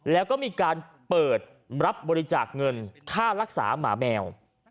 แล้วก็มีการเปิดรับบริจาคเงินค่ารักษาหมาแมว